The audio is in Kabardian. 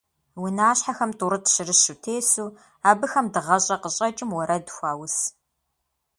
Унащхьэхэм тӀурытӀ-щырыщу тесу, абыхэм дыгъэщӀэ къыщӀэкӀым уэрэд хуаус.